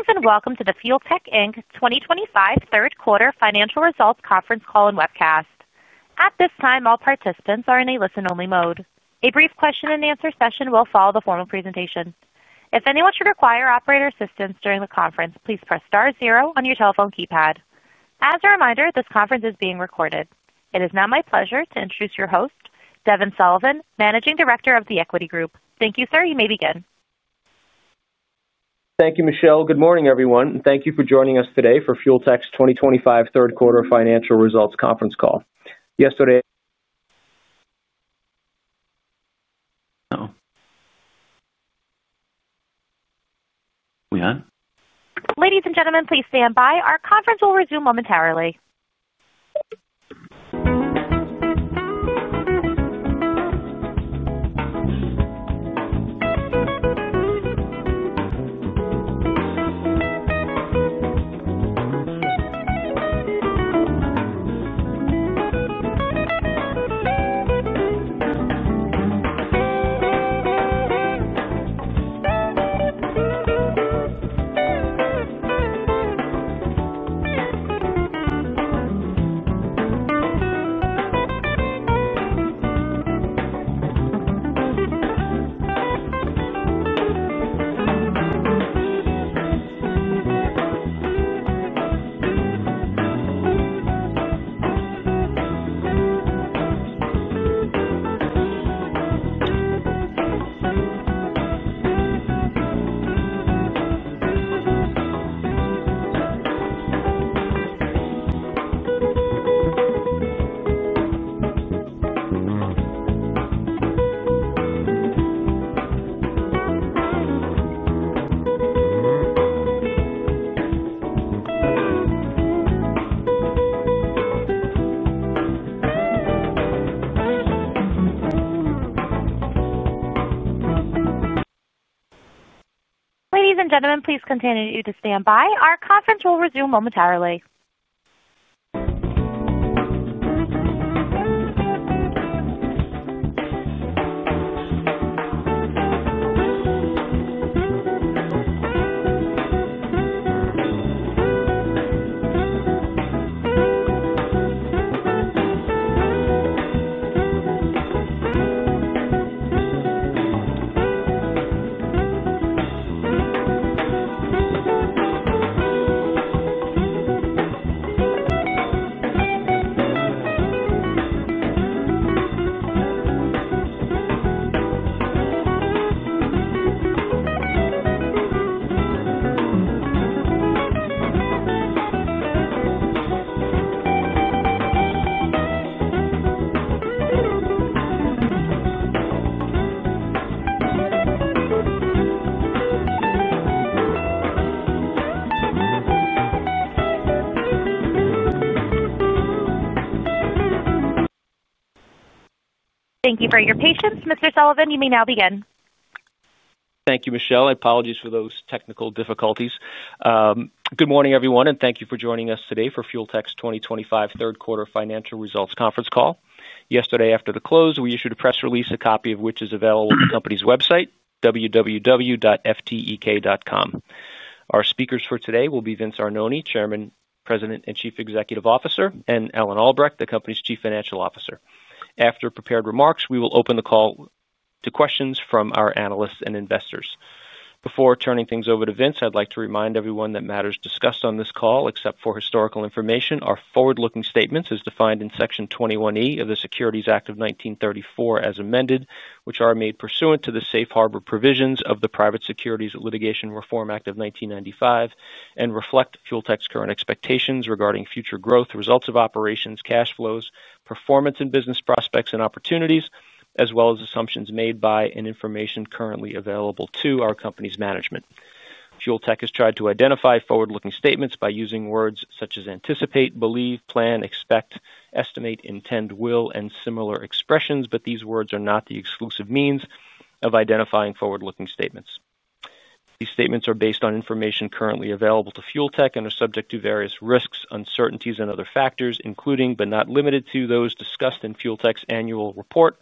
Greetings and welcome to the Fuel Tech 2025 third quarter financial results conference call and webcast. At this time, all participants are in a listen only mode. A brief question and answer session will follow the formal presentation. If anyone should require operator assistance during the conference, please press Star 0 on your telephone keypad. As a reminder, this conference is being recorded. It is now my pleasure to introduce your host, Devin Sullivan, Managing Director of the Equity Group. Thank you, sir. You may begin. Thank you, Michelle. Good morning everyone and. Thank you for joining us today for Fuel Tech's 2025 third quarter financial results conference call yesterday. Ladies and gentlemen, please stand by. Our conference will resume momentarily. Sam, it's. Ladies and gentlemen, please continue to stand by. Our conference will resume momentarily. Sam. Thank you for your patience. Mr. Sullivan, you may now begin. Thank you, Michelle. I apologize for those technical difficulties. Good morning everyone and thank you for joining us today for Fuel Tech's 2025 third quarter financial results conference call. Yesterday, after the close, we issued a press release, a copy of which is available at the company's website, www.ftek.com. Our speakers for today will be Vince Arnone, Chairman, President and Chief Executive Officer, and Alan Albrecht, the company's Chief Financial Officer. After prepared remarks, we will open the call to questions from our analysts and investors. Before turning things over to Vince, I'd like to remind everyone that matters discussed on this call, except for historical information, are forward looking statements as defined in Section 21E of the Securities Act of 1933, as amended, which are made pursuant to the safe harbor provisions of the Private Securities Litigation Reform Act of 1995 and reflect Fuel Tech's current expectations regarding future growth, results of operations, cash flows, performance and business prospects and opportunities, as well as assumptions made by and information currently available to our company's management. Fuel Tech has tried to identify forward looking statements by using words such as anticipate, believe, plan, expect, estimate, intend, will and similar expressions, but these words are not the exclusive means of identifying forward looking statements. These statements are based on information currently available to Fuel Tech and are subject to various risks, uncertainties and other factors, including but not limited to those discussed in Fuel Tech's annual report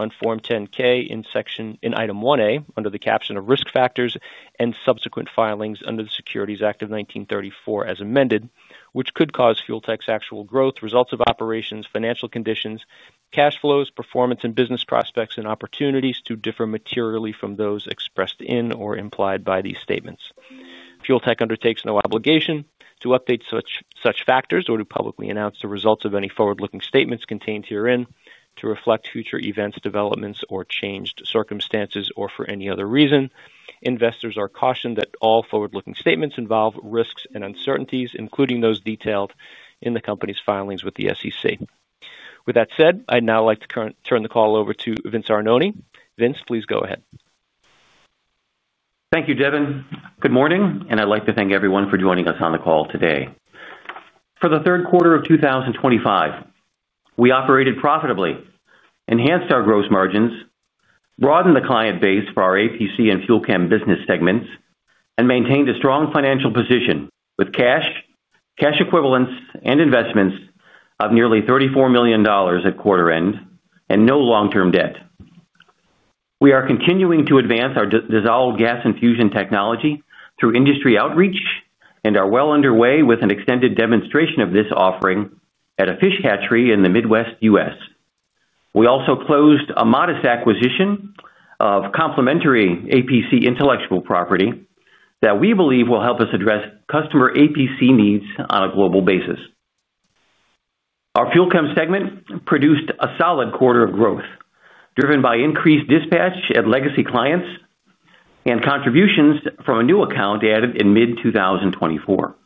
on Form 10K in section in Item 1A under the caption of risk factors and subsequent filings under the Securities Act of 1934, as amended, which could cause Fuel Tech's actual growth, results of operations, financial conditions, cash flows, performance and business prospects and opportunities to differ materially from those expressed in or implied by these statements. Fuel Tech undertakes no obligation to update such factors or to publicly announce the results of any forward looking statements contained herein to reflect future events, developments or changed circumstances, or for any other reason. Investors are cautioned that all forward looking statements involve risks and uncertainties, including those detailed in the company's filings with the SEC. With that said, I'd now like to turn the call over to Vince Arnone. Vince, please go ahead. Thank you, Devin. Good morning, and I'd like to thank everyone for joining us on the call today. For the third quarter of 2025, we operated profitably, enhanced our gross margins, broadened the client base for our APC and Fuel Chem business segments, and maintained a strong financial position with cash, cash equivalents, and investments of nearly $34 million at quarter end and no long term debt. We are continuing to advance our dissolved gas infusion technology through industry outreach and are well underway with an extended demonstration of this offering at a fish hatchery in the Midwest U.S. We also closed a modest acquisition of complementary APC intellectual property that we believe will help us address customer APC needs on a global basis. Our Fuel Chem segment produced a solid quarter of growth, driven by increased dispatch at legacy clients and contributions from a new account added in mid 2024.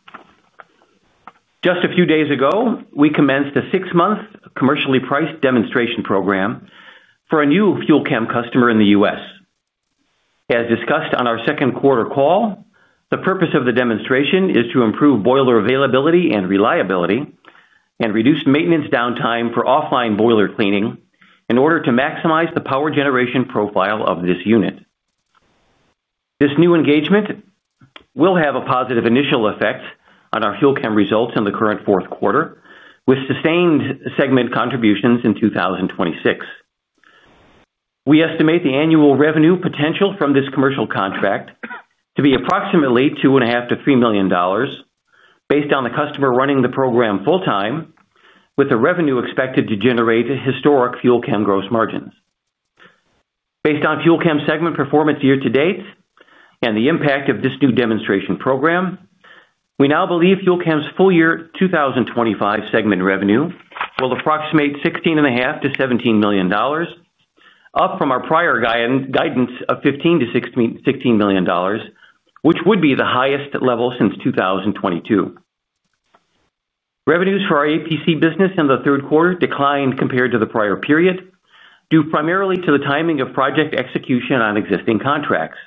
Just a few days ago, we commenced a six month commercially priced demonstration program for a new FuelCam customer in the U.S. As discussed on our second quarter call, the purpose of the demonstration is to improve boiler availability and reliability and reduce maintenance downtime for offline boiler cleaning in order to maximize the power generation profile of this unit. This new engagement will have a positive initial effect on our Fuel Chem results in the current fourth quarter with sustained segment contributions in 2026. We estimate the annual revenue potential from this commercial contract to be approximately $2.5 million-$3 million based on the customer running the program full time, with the revenue expected to generate historic Fuel Chem gross margins. Based on Fuel Chem segment performance year to date and the impact of this new demonstration program, we now believe Fuel Chem's full year 2025 segment revenue will approximate $16.5 million-$17 million, up from our prior guidance of $15 million-$16 million, which would be the highest level since 2022. Revenues for our APC business in the third quarter declined compared to the prior period due primarily to the timing of project execution on existing contracts.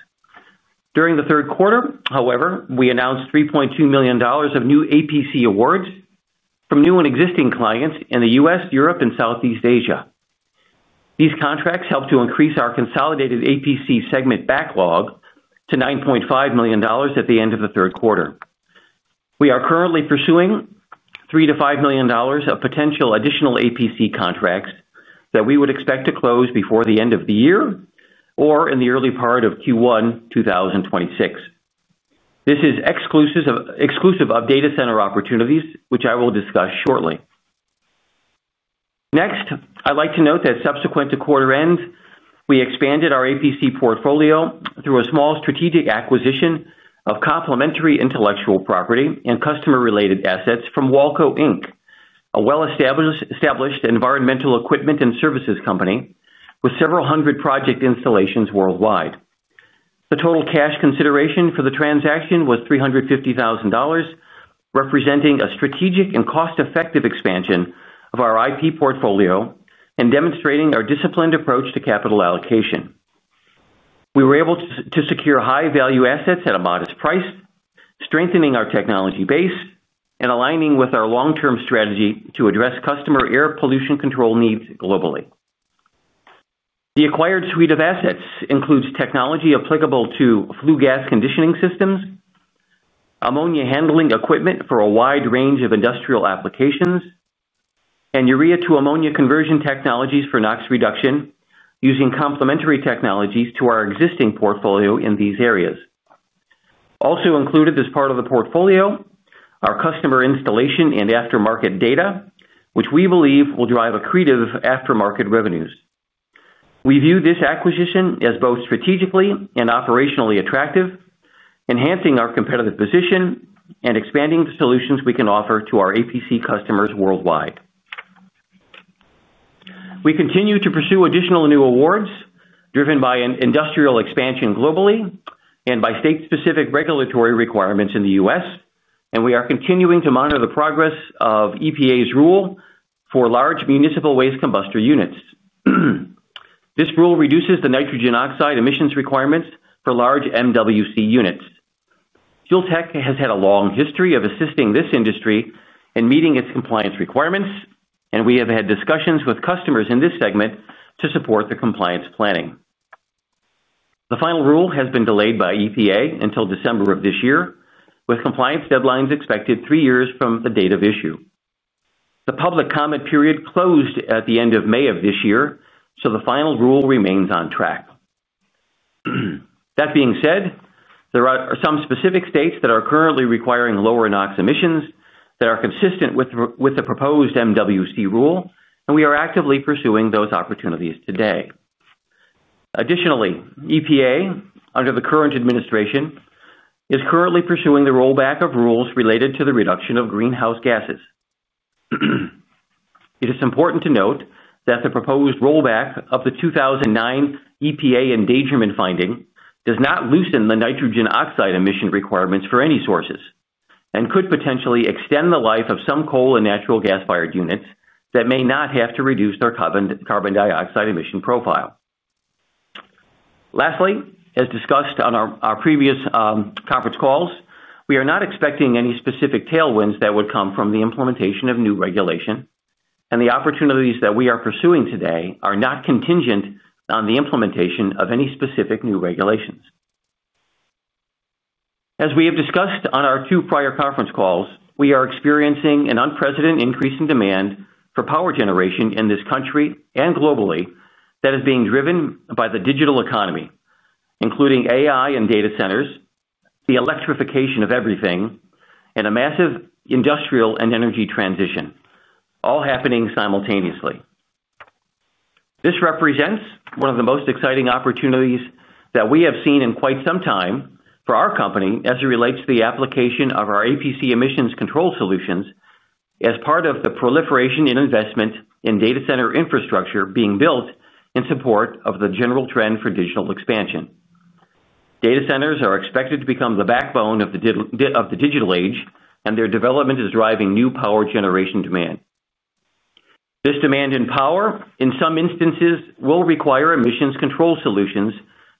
During the third quarter, however, we announced $3.2 million of new APC awards from new and existing clients in the U.S., Europe and Southeast Asia. These contracts help to increase our consolidated APC segment backlog to $9.5 million at the end of the third quarter. We are currently pursuing $3 million-$5 million of potential additional APC contracts that we would expect to close before the end of the year or in the early part of Q1 2026. This is exclusive of data center opportunities which I will discuss shortly. Next, I'd like to note that subsequent to quarter end we expanded our APC portfolio through a small strategic acquisition of complementary intellectual property and customer related assets from Walco Inc. A well established environmental equipment and services company with several hundred project installations worldwide. The total cash consideration for the transaction was $350,000, representing a strategic and cost effective expansion of our IP portfolio and demonstrating our disciplined approach to capital allocation. We were able to secure high value assets at a modest price, strengthening our technology base and aligning with our long term strategy to address customer air pollution control needs globally. The acquired suite of assets includes technology applicable to flue gas conditioning systems, ammonia handling equipment for a wide range of industrial applications, and urea to ammonia conversion technologies for NOx reduction using complementary technologies to our existing portfolio in these areas. Also included as part of the portfolio are customer installation and aftermarket data which we believe will drive accretive aftermarket revenues. We view this acquisition as both strategically and operationally attractive, enhancing our competitive position and expanding the solutions we can offer to our APC customers worldwide. We continue to pursue additional new awards driven by industrial expansion globally and by state specific regulatory requirements in the U.S. and we are continuing to monitor the progress of EPA's rule for large municipal waste combustor units. This rule reduces the nitrogen oxide emissions requirements for large MWC units. Fuel Tech has had a long history of assisting this industry in meeting its compliance requirements and we have had discussions with customers in this segment to support the compliance planning. The final rule has been delayed by EPA until December of this year with compliance deadlines expected three years from the date of issue. The public comment period closed at the end of May of this year, so the final rule remains on track. That being said, there are some specific states that are currently requiring lower NOx emissions that are consistent with the proposed MWC rule and we are actively pursuing those opportunities today. Additionally, EPA under the current administration is currently pursuing the rollback of rules related to the reduction of greenhouse gases. It is important to note that the proposed rollback of the 2009 EPA Endangerment Finding does not loosen the nitrogen oxide emission requirements for any sources and could potentially extend the life of some coal and natural gas fired units that may not have to reduce their carbon dioxide emission profile. Lastly, as discussed on our previous conference calls, we are not expecting any specific tailwinds that would come from the implementation of new regulation, and the opportunities that we are pursuing today are not contingent on the implementation of any specific new regulations. As we have discussed on our two prior conference calls, we are experiencing an unprecedented increase in demand for power generation in this country and globally that is being driven by the digital economy, including AI and data centers, the electrification of everything, and a massive industrial and energy transition all happening simultaneously. This represents one of the most exciting opportunities that we have seen in quite some time for our company as it relates to the application of our APC emissions control solutions as part of the proliferation and investment in data center infrastructure being built in support of the general trend for digital expansion. Data centers are expected to become the backbone of the digital age and their development is driving new power generation demand. This demand in power in some instances will require emissions control solutions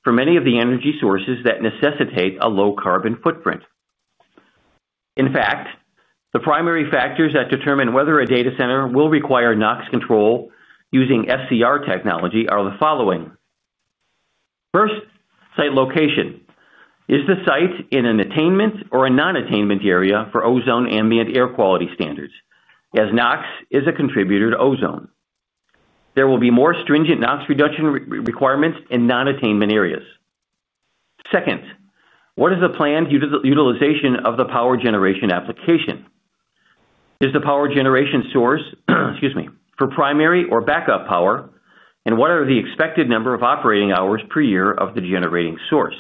for many of the energy sources that necessitate a low carbon footprint. In fact, the primary factors that determine whether a data center will require NOx control using SCR technology are the following. First, site location: is the site in an attainment or a nonattainment area for ozone ambient air quality standards? As NOx is a contributor to ozone, there will be more stringent NOx reduction requirements in non-attainment areas. Second, what is the planned utilization of the power generation application? Is the power generation source, excuse me, for primary or backup power and what are the expected number of operating hours per year of the generating source?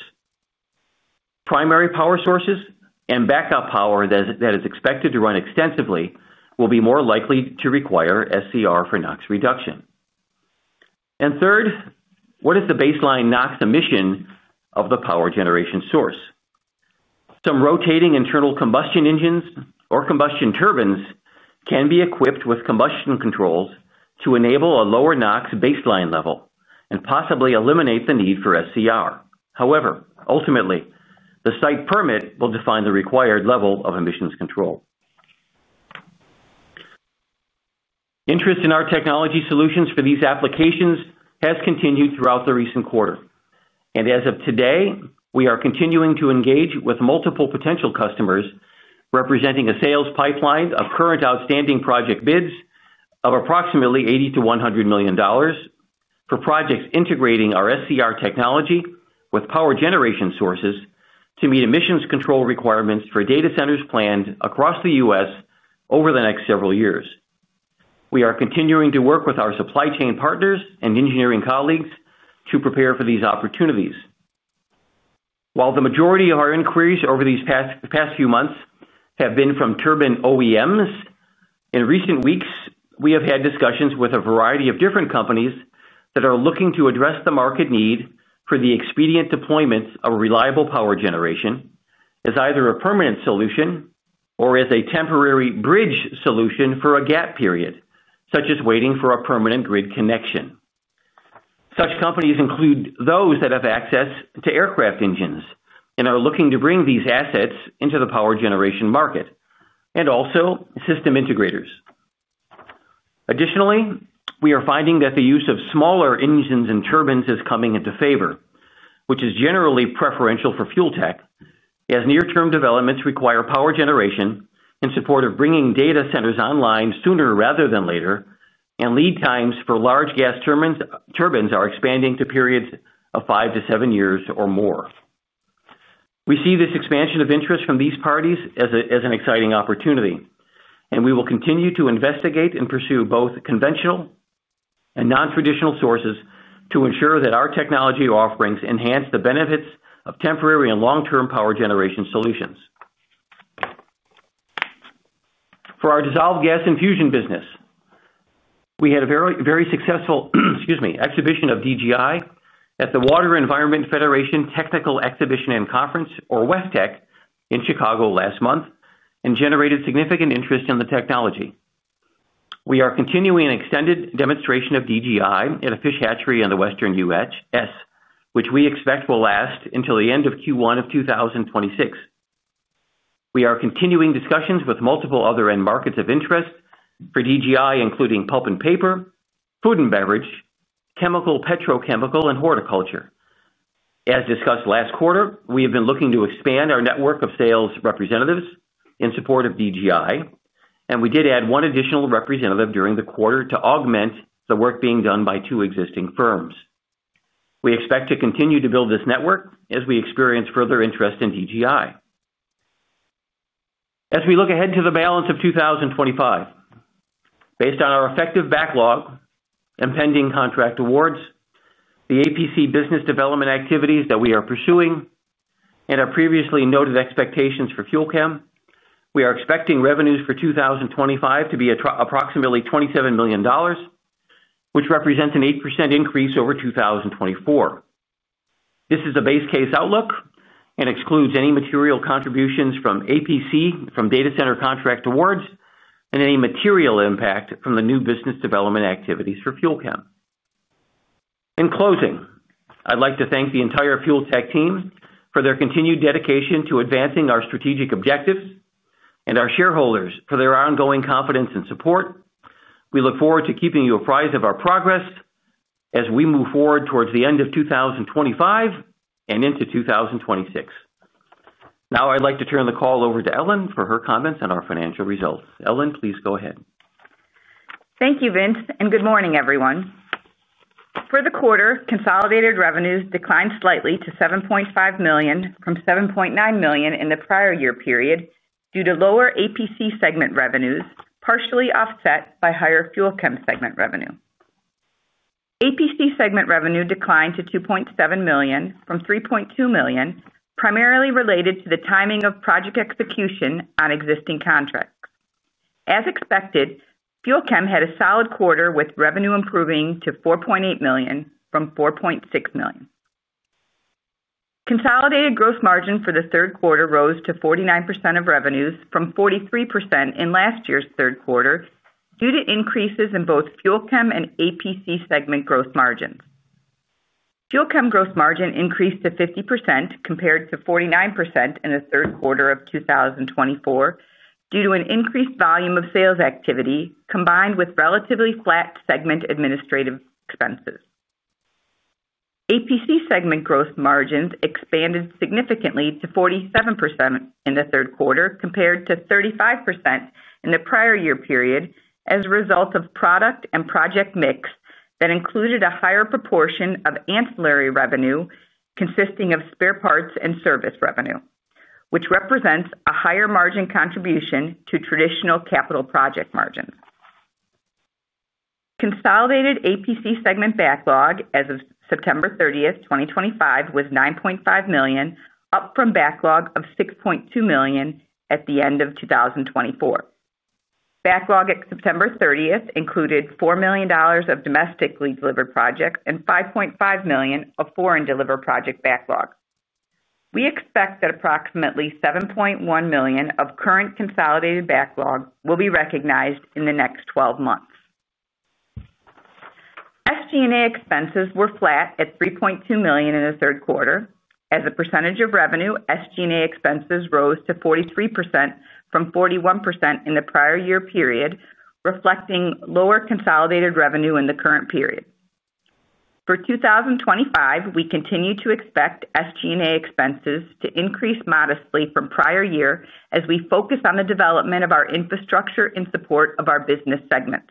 Primary power sources and backup power that is expected to run extensively will be more likely to require SCR for NOx reduction. Third, what is the baseline NOx emission of the power generation source? Some rotating internal combustion engines or combustion turbines can be equipped with combustion controls to enable a lower NOx baseline level and possibly eliminate the need for SCR. However, ultimately the site permit will define the required level of emissions control. Interest in our technology solutions for these applications has continued throughout the recent quarter, and as of today we are continuing to engage with multiple potential customers representing a sales pipeline of current outstanding project bids of approximately $80 million-$100 million for projects integrating our SCR technology with power generation sources to meet emissions control requirements for data centers planned across the U.S. over the next several years. We are continuing to work with our supply chain partners and engineering colleagues to prepare for these opportunities. While the majority of our inquiries over these past few months have been from turbine OEMs, in recent weeks we have had discussions with a variety of different companies that are looking to address the market need for the expedient deployments of reliable power generation as either a permanent solution or as a temporary bridge solution for a gap period such as waiting for a permanent grid connection. Such companies include those that have access to aircraft engines and are looking to bring these assets into the power generation market and also system integrators. Additionally, we are finding that the use of smaller engines and turbines is coming into favor, which is generally preferential for Fuel Tech as near-term developments require power generation in support of bringing data centers online sooner rather than later, and lead times for large gas turbines are expanding to periods of five to seven years or more. We see this expansion of interest from these parties as an exciting opportunity, and we will continue to investigate and pursue both conventional and non-traditional sources to ensure that our technology offerings enhance the benefits of temporary and long-term power generation solutions. For our Dissolved Gas Infusion business, we had a very successful exhibition of DGI at the Water Environment Federation Technical Exhibition and Conference in Chicago last month and generated significant interest in the technology. We are continuing an extended demonstration of DGI at a fish hatchery in the Western U.S., which we expect will last until the end of Q1 of 2026. We are continuing discussions with multiple other end markets of interest for DGI, including pulp and paper, food and beverage, chemical, petrochemical, and horticulture. As discussed last quarter, we have been looking to expand our network of sales representatives in support of DGI, and we did add one additional representative during the quarter to augment the work being done by two existing firms. We expect to continue to build this network as we experience further interest in DGI as we look ahead to the balance of 2025 based on our effective backlog, impending contract awards, the APC business development activities that we are pursuing, and our previously noted expectations for Fuel Chem. We are expecting revenues for 2025 to be approximately $27 million, which represents an 8% increase over 2024. This is a base case outlook and excludes any material contributions from APC from data center contract awards and any material impact from the new business development activities for Fuel Chem. In closing, I'd like to thank the entire Fuel Tech team for their continued dedication to advancing our strategic objectives and our shareholders for their ongoing confidence and support. We look forward to keeping you apprised of our progress as we move forward towards the end of 2025 and into 2026. Now I'd like to turn the call over to Ellen for her comments on our financial results. Ellen, please go ahead. Thank you, Vince, and good morning everyone. For the quarter, consolidated revenues declined slightly to $7.5 million from $7.9 million in the prior year period due to lower APC segment revenues partially offset by higher Fuel Chem segment revenue. APC segment revenue declined to $2.7 million from $3.2 million, primarily related to the timing of project execution on existing contracts. As expected, Fuel Chem had a solid quarter with revenue improving to $4.8 million from $4.6 million. Consolidated gross margin for the third quarter rose to 49% of revenues from 43% in last year's third quarter due to increases in both Fuel Chem and APC segment gross margins. Fuel Chem gross margin increased to 50% compared to 49% in the third quarter of 2024 due to an increased volume of sales activity combined with relatively flat segment administrative expenses. APC segment growth margins expanded significantly to 47% in the third quarter compared to 35% in the prior year period as a result of product and project mix that included a higher proportion of ancillary revenue consisting of spare parts and service revenue, which represents a higher margin contribution to traditional capital project margins. Consolidated APC segment backlog as of September 30, 2025 was $9.5 million, up from backlog of $6.2 million at the end of 2024. Backlog at September 30 included $4 million of domestically delivered projects and $5.5 million of foreign deliver project backlog. We expect that approximately $7.1 million of current consolidated backlog will be recognized in the next 12 months. SGA expenses were flat at $3.2 million in the third quarter. As a percentage of revenue, SGA expenses rose to 43% from 41% in the prior year period, reflecting lower consolidated revenue in the current period. For 2025. We continue to expect SGA expenses to increase modestly from prior year as we focus on the development of our infrastructure in support of our business segment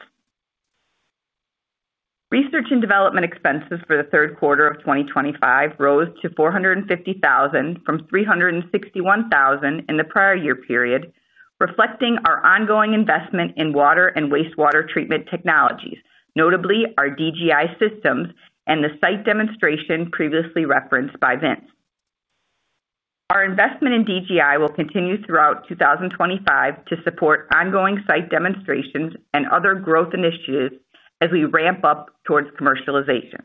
research and development. Expenses for the third quarter of 2025 rose to $450,000 from $361,000 in the prior year period, reflecting our ongoing investment in water and wastewater treatment technologies, notably our DGI systems and the site demonstration previously referenced by Vince. Our investment in DGI will continue throughout 2025 to support ongoing site demonstrations and other growth initiatives as we ramp up towards commercialization.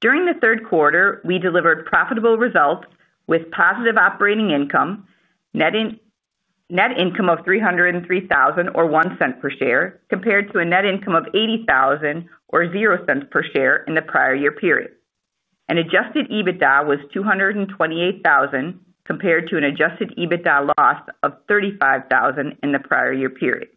During the third quarter, we delivered profitable results with positive operating income. Net income of $303,000 or $0.01 per share compared to a net income of $80,000 or $0.00 per share in the prior year period. Adjusted EBITDA was $228,000 compared to an adjusted EBITDA loss of $35,000 in the prior year period.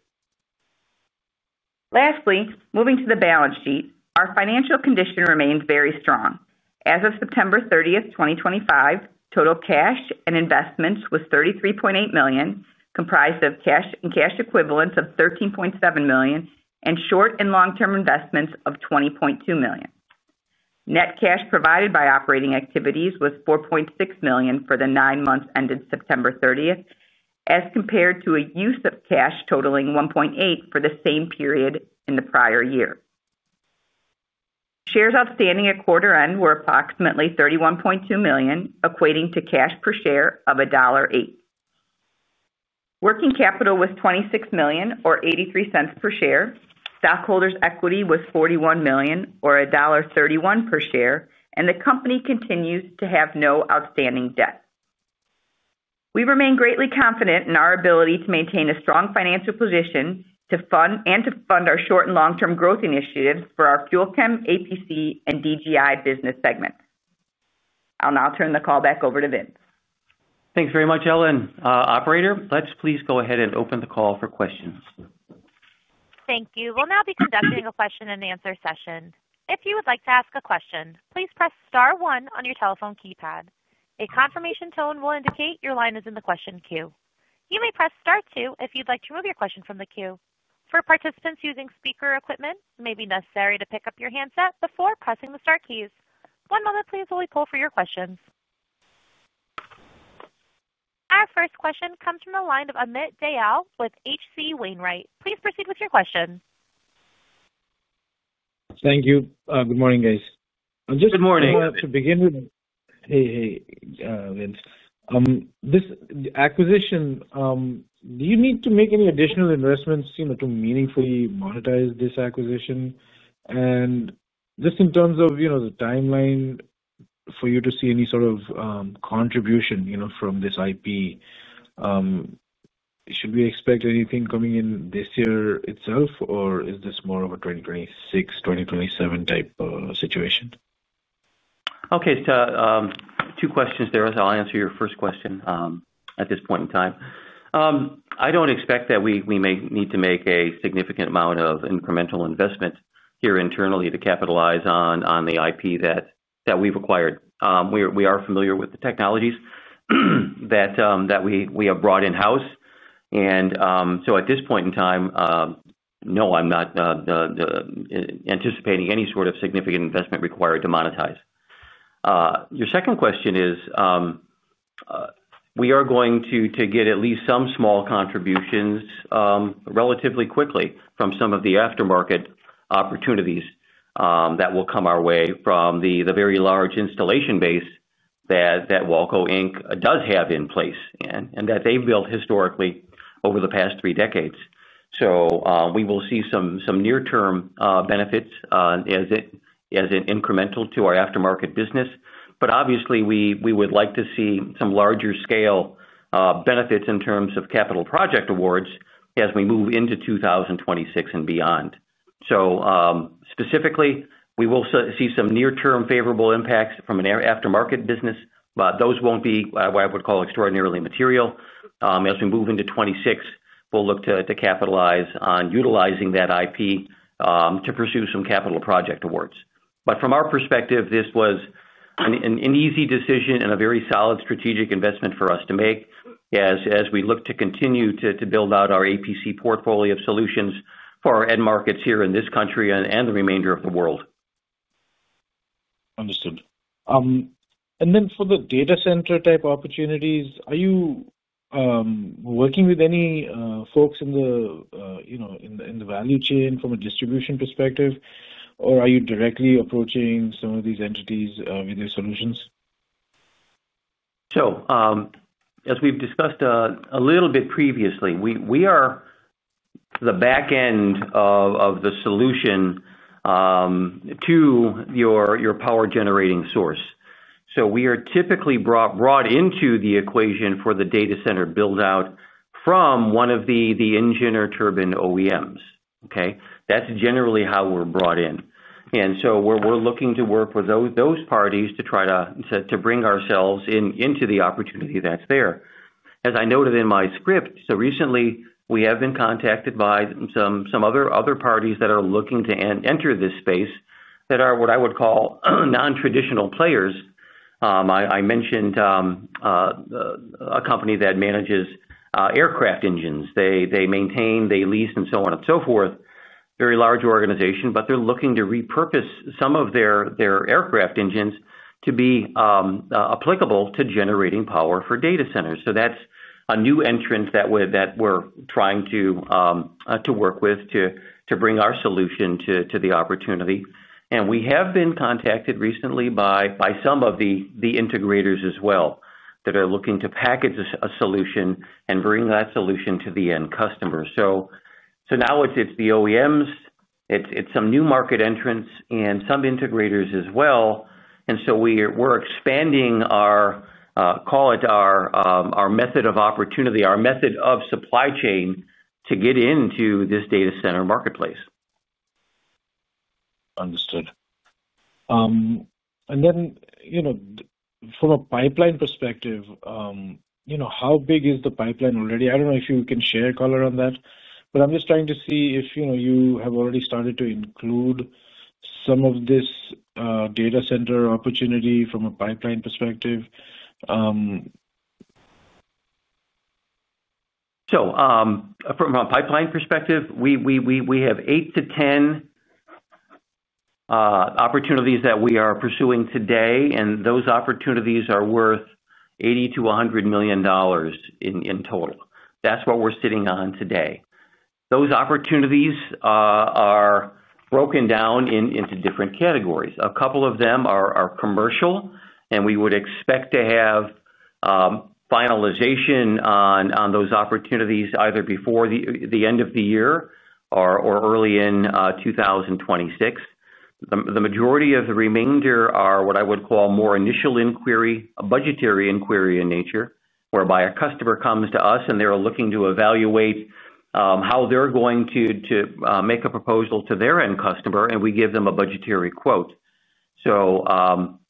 Lastly, moving to the balance sheet, our financial condition remains very strong. As of September 30, 2025, total cash and investments was $33.8 million, comprised of cash and cash equivalents of $13.7 million and short and long term investments of $20.2 million. Net cash provided by operating activities was $4.6 million for the nine months ended September 30, as compared to a use of cash totaling $1.8 million for the same period in the prior year. Shares outstanding at quarter end were approximately 31.2 million, equating to cash per share of $1.08. Working capital was $26 million or $0.83 per share. Stockholders equity was $41 million or $1.31 per share. The company continues to have no outstanding debt. We remain greatly confident in our ability to maintain a strong financial position and to fund our short and long term growth initiatives for our Fuel Chem, APC, and DGI business segments. I'll now turn the call back over to Vince. Thanks very much, Ellen. Operator, let's please go ahead and open the call for questions. Thank you. We'll now be conducting a question and answer session. If you would like to ask a question, please press star 1 on your telephone keypad. A confirmation tone will indicate your line is in the question queue. You may press star 2 if you'd like to remove your question from the queue. For participants using speaker equipment, it may be necessary to pick up your handset before pressing the star keys. One moment please while we poll for your questions. Our first question comes from the line of Amit Dayal with HC Wainwright. Please proceed with your question. Thank you. Good morning, guys. Good morning. To begin with. Hey, hey, Vince. This acquisition, do you need to make any additional investments, you know, to meaningfully monetize this acquisition? And just in terms of, you know, the timeline for you to see any sort of contribution, you know, from this. Ip. Should we expect anything coming in this year itself, or is this more? Of a 2026, 2027 type situation? Okay, two questions there. I'll answer your first question. At this point in time, I don't expect that we may need to make a significant amount of incremental investment here internally to capitalize on the IP that we've acquired. We are familiar with the technologies that we have brought in house. At this point in time, no, I'm not anticipating any sort of significant investment required to monetize. Your second question is we are going to get at least some small contributions relatively quickly from some of the aftermarket opportunities that will come our way from the very large installation base that Walco does have in place and that they've built historically over the past three decades. We will see some near term benefits as an incremental to our aftermarket business. Obviously we would like to see some larger scale benefits in terms of capital project awards as we move into 2026 and beyond. Specifically, we will see some near term favorable impacts from an aftermarket business, but those will not be what I would call extraordinarily material. As we move into 2026, we will look to capitalize on utilizing that IP to pursue some capital project awards. From our perspective, this was an easy decision and a very solid strategic investment for us to make as we look to continue to build out our APC portfolio of solutions for our end markets here in this country and the remainder of the world. Understood. And then for the data center type opportunities. Are you working with any folks in the, you know, in the value chain from a distribution perspective or are you directly approaching some of these entities with their solutions? As we've discussed a little bit previously, we are the back end of the solution to your power generating source. We are typically brought into the equation for the data center build out from one of the engine or turbine OEMs. That's generally how we're brought in. We are looking to work with those parties to try to bring ourselves into the opportunity that's there. As I noted in my script, recently we have been contacted by some other parties that are looking to enter this space that are what I would call non traditional players. I mentioned a company that manages aircraft engines. They maintain, they lease and so on and so forth. Very large organization. They are looking to repurpose some of their aircraft engines to be applicable to generating power for data centers. That is a new entrant that we are trying to work with to bring our solution to the opportunity. We have been contacted recently by some of the integrators as well that are looking to package a solution and bring that solution to the end customer. Now it is the OEMs, some new market entrants, and some integrators as well. We are expanding our, call it, our method of opportunity, our method of supply chain to get into this data center marketplace. Understood. Then from a pipeline perspective, how big is the pipeline already? I do not know if you can share color on that, but I am just trying to see if you have already started to include some of this data center opportunity from a pipeline perspective. From a pipeline perspective, we have eight to 10 opportunities that we are pursuing today, and those opportunities are worth $80 million-$100 million in total. That's what we're sitting on today. Those opportunities are broken down into different categories. A couple of them are commercial, and we would expect to have finalization on those opportunities either before the end of the year or early in 2026. The majority of the remainder are what I would call more initial inquiry, a budgetary inquiry in nature, whereby a customer comes to us and they are looking to evaluate how they're going to make a proposal to their end customer and we give them a budgetary quote.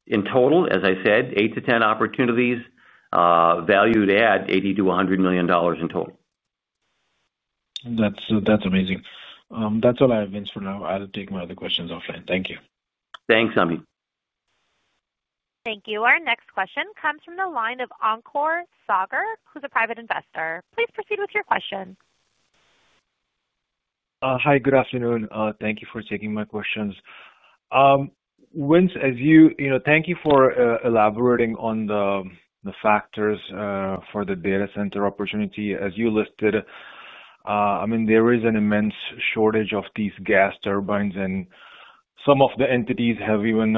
In total, as I said, eight to 10 opportunities valued at $80 million-$100 million in total. That's amazing. That's all I have, Vince, for now. I'll take my other questions offline. Thank you. Thanks, Amit. Thank you. Our next question comes from the line of Encore Sagar, who's a private investor. Please proceed with your question. Hi, good afternoon. Thank you for taking my questions, Vince, as you know, thank you for elaborating on the factors for the data center opportunity as you listed. I mean, there is an immense shortage of these gas turbines and some of the entities have even,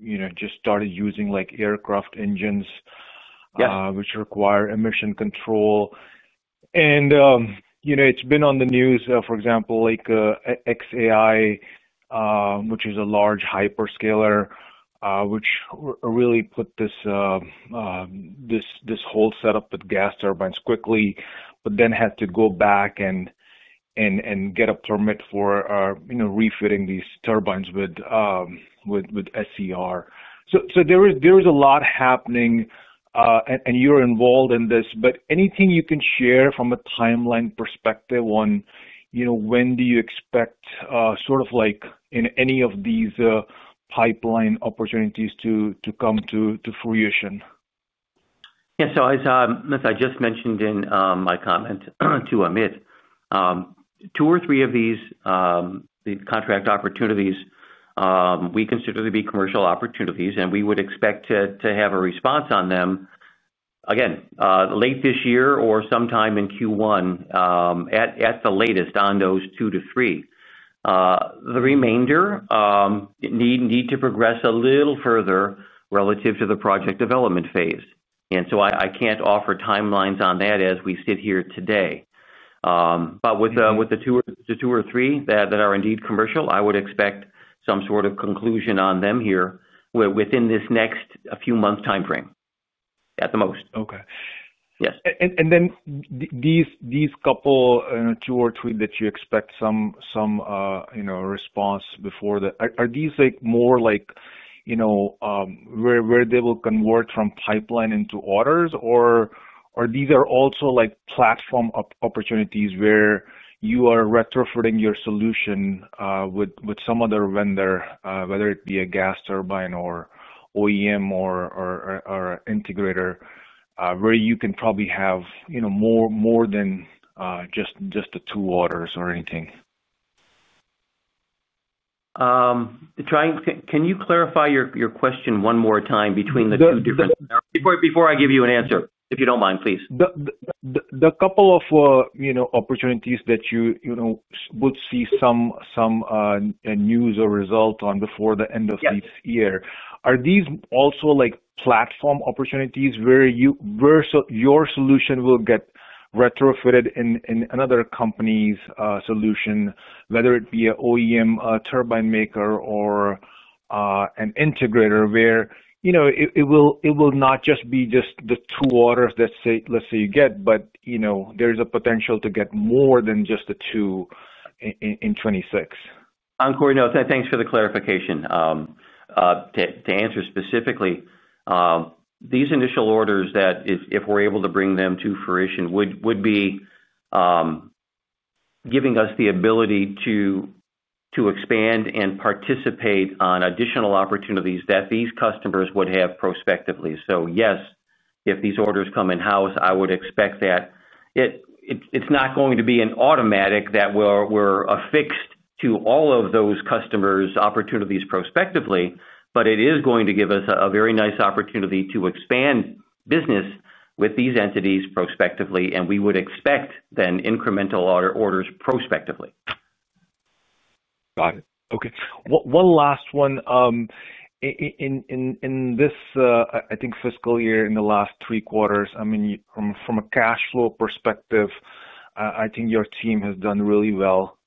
you know, just started using like aircraft engines which require emission control. It's been on the news, for example, like xAI, which is a large hyperscaler, which really put this whole setup with gas turbines quickly, but then had to go back and get a permit for refitting these turbines with SCR. There is a lot happening and you're involved in this. Anything you can share from a timeline perspective on, you know, when do you expect sort of like in any of these pipeline opportunities to come to fruition? Yeah. As I just mentioned in my comment to Amit, two or three of these contract opportunities we consider to be commercial opportunities and we would expect to have a response on them again late this year or sometime in Q1 at the latest on those two to three. The remainder need to progress a little further relative to the project development phase. I can't offer timelines on that as we sit here today. With the two or three that are indeed commercial, I would expect some sort of conclusion on them here within this next few month time frame at the most. Okay, yes. These couple two or three that you expect some response before that, are these more like where they will convert from pipeline into orders or these are also like platform opportunities where you are retrofitting your solution with some other vendor, whether it be a gas turbine or OEM or integrator, where you can probably have more than just the two orders or anything. Can you clarify your question one more time between the two different scenarios before I give you an answer, if you don't mind? Please. The couple of opportunities that you would see some news or result on before the end of this year, are these also platform opportunities where you versus your solution will get retrofitted in another company's solution, whether it be a OEM turbine maker or an integrator, where you know it will not just be just the two orders that, say, let's say you get, but you know there is a potential to get more than just the 2 in 2026. Encore notes and thanks. For the clarification to answer specifically these initial orders that if we're able to bring them to fruition, would be giving us the ability to expand and participate on additional opportunities that these customers would have prospectively. Yes, if these orders come in house, I would expect that it's not going to be an automatic that we're affixed to all of those customers opportunities prospectively, but it is going to give us a very nice opportunity to expand business with these entities prospectively. We would expect then incremental orders prospectively. Got it. Okay, one last one in this I think fiscal year in the last three quarters, I mean from a cash flow perspective, I think your team has done really well.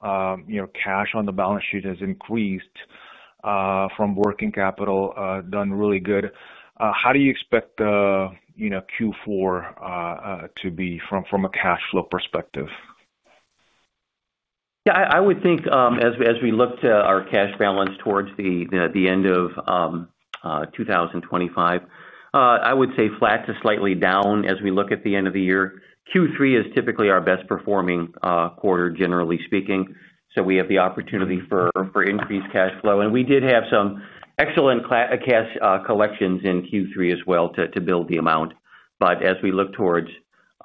Your cash on the balance sheet has increased from working capital, done really good. How do you expect Q4 to be from a cash flow perspective? Yeah, I would think as we look to our cash balance towards the end of 2025, I would say flat to slightly down. As we look at the end of the year, Q3 is typically our best performing quarter, generally speaking, so we have the opportunity for increased cash flow and we did have some excellent cash collections in Q3 as well to build the AM. As we look towards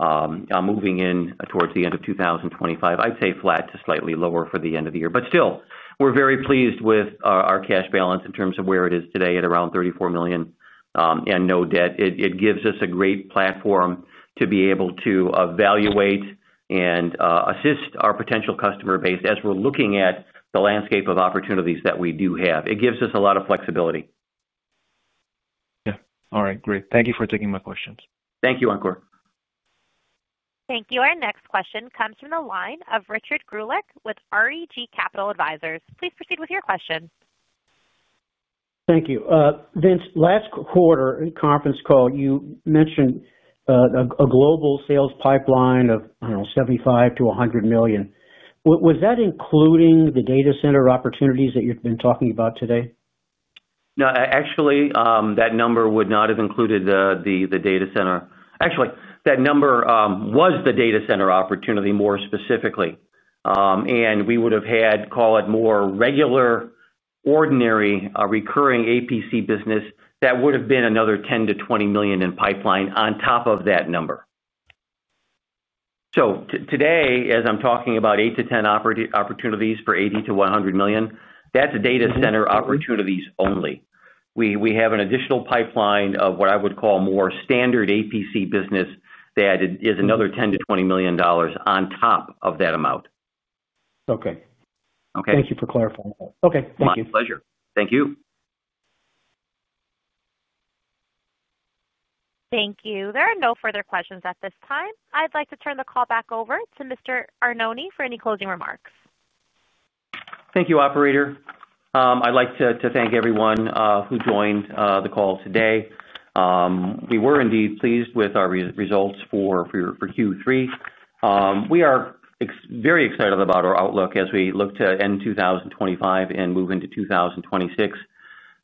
moving in towards the end of 2025, I'd say flat to slightly lower for the end of the year. Still, we're very pleased with our cash balance in terms of where it is today at around $34 million and no debt. It gives us a great platform to be able to evaluate and assist our potential customer base. As we're looking at the landscape of opportunities that we do have, it gives us a lot of flexibility. All right, great. Thank you for taking my questions. Thank you. Encore. Thank you. Our next question comes from the line of Richard Grulek with Reg Capital Advisors. Please proceed with your question. Thank you. Vince, last quarter conference call, you mentioned a global sales pipeline of $75 million-$100 million. Was that including the data center opportunities that you've been talking about today? No, actually that number would not have included the data center. Actually, that number was the data center opportunity more specifically. And we would have had, call it more regular, ordinary, recurring APC business. That would have been another $10 million-$20 million in pipeline on top of that number. Today, as I'm talking about eight to ten opportunities for $80 million-$100 million, that's data center opportunities only. We have an additional pipeline of what I would call more standard APC business. That is another $10 million-$20 million on top of that amount. Okay. Okay. Thank you for clarifying. Okay, thank you. Pleasure. Thank you. Thank you. There are no further questions at this time. I'd like to turn the call back over to Mr. Arnone for any closing remarks. Thank you, operator. I'd like to thank everyone who joined the call today. We were indeed pleased with our results for Q3. We are very excited about our outlook as we look to end 2025 and move into 2026.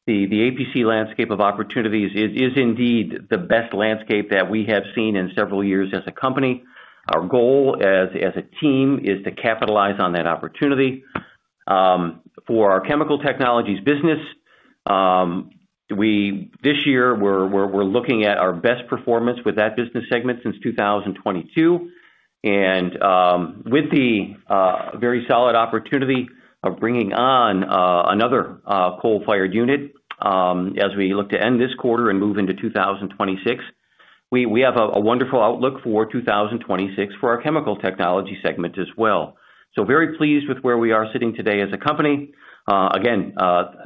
The APC landscape of opportunities is indeed the best landscape that we have seen in several years as a company. Our goal as a team is to capitalize on that opportunity for our chemical technologies business. This year we're looking at our best performance with that business segment since 2022 and with the very solid opportunity of bringing on another coal fired unit as we look to end this quarter and move into 2026. We have a wonderful outlook for 2026 for our chemical technology segment as well. Very pleased with where we are sitting today as a company. Again,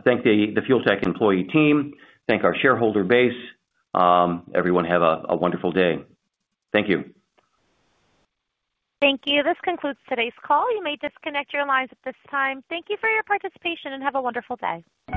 thank the Fuel Tech employee team. Thank our shareholder base, everyone. Have a wonderful day. Thank you. Thank you. This concludes today's call. You may disconnect your lines at this time. Thank you for your participation and have a wonderful day.